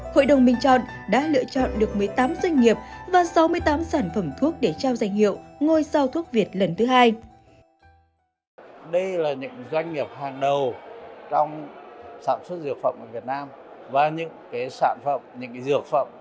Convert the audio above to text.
hội đồng bình chọn đã lựa chọn được một mươi tám doanh nghiệp và sáu mươi tám sản phẩm thuốc